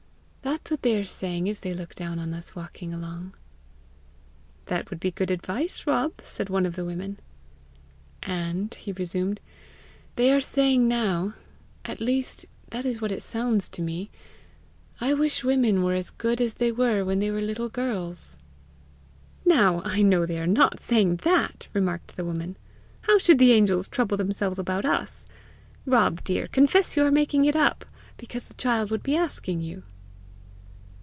That's what they are saying as they look down on us walking along." "That will be good advice, Rob!" said one of the women. "And," he resumed, "they are saying now at least that is what it sounds to me 'I wish women were as good as they were when they were little girls!'" "Now I know they are not saying that!" remarked the woman. "How should the angels trouble themselves about us! Rob, dear, confess you are making it up, because the child would be asking you."